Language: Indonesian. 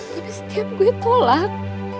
tapi setiap gue tolak